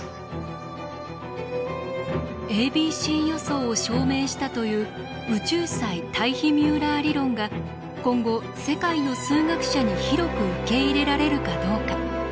ａｂｃ予想を証明したという宇宙際タイヒミューラー理論が今後世界の数学者に広く受け入れられるかどうか。